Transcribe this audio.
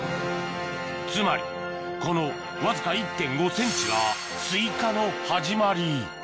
つまりこのわずか１．５ｃｍがスイカの始まり